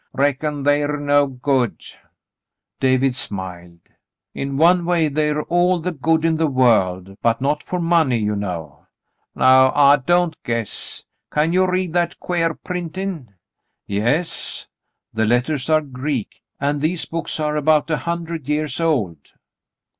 "Reckon the're no good ? David smiled. "In one way they're all the good in the world, but not for money, you know." "No, I don't guess. Can you read that thar quare pnntm f "Yes. The letters are Greek, and these books are about a hundred years old."